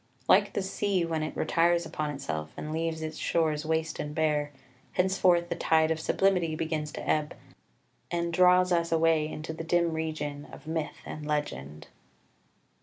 Like the sea when it retires upon itself and leaves its shores waste and bare, henceforth the tide of sublimity begins to ebb, and draws us away into the dim region of myth and legend.